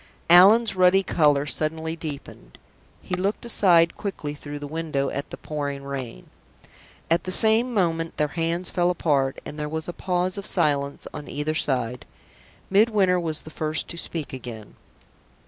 Allan's ruddy color suddenly deepened; he looked aside quickly through the window at the pouring rain. At the same moment their hands fell apart, and there was a pause of silence on either side. Midwinter was the first to speak again.